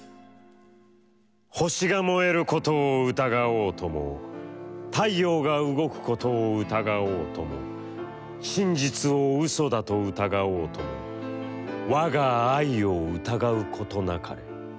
「星が燃えることを疑おうとも太陽が動くことを疑おうとも、真実を嘘だと疑おうとも、わが愛を疑うことなかれ。